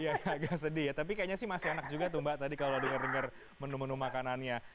ya agak sedih ya tapi kayaknya sih masih enak juga tuh mbak tadi kalau dengar dengar menu menu makanannya